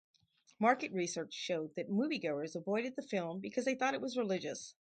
Market research showed that moviegoers avoided the film because they thought it was religious.